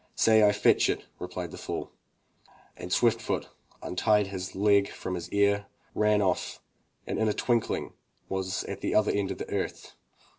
"Say rU fetch it, replied the fool, and Swift of foot untied his leg from his ear, ran off and in a twinkling was at the other end of the earth.